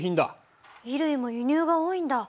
衣類も輸入が多いんだ。